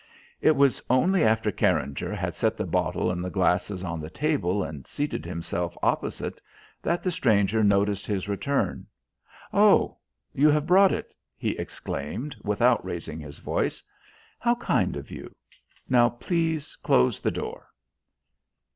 It was only after Carringer had set the bottle and the glasses on the table and seated himself opposite that the stranger noticed his return. "Oh, you have brought it!" he exclaimed without raising his voice. "How kind of you. Now please close the door."